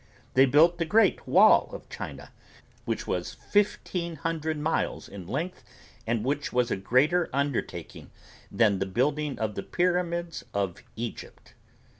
They built the Great Wall of China which was fifteen hundred miles in length and which was a greater undertaking than the building of the Pyramids of Egypt.